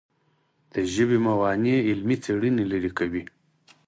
د ژبې موانع علمي څېړنې لیرې کوي.